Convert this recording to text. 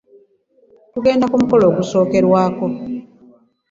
Tugenda ku mukolo ogusokerwaako.